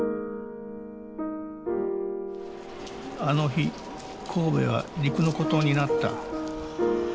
あの日神戸は陸の孤島になった。